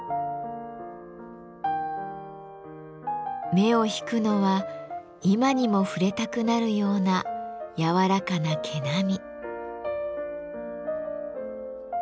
目を引くのは今にも触れたくなるような柔らかな毛並み。